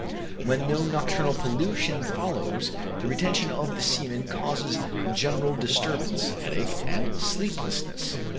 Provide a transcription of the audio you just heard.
When no nocturnal pollution follows, the retention of the semen causes general disturbance, headache, and sleeplessness.